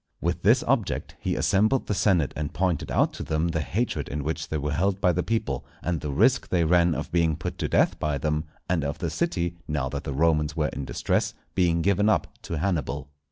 With this object he assembled the Senate and pointed out to them the hatred in which they were held by the people, and the risk they ran of being put to death by them, and of the city, now that the Romans were in distress, being given up to Hannibal.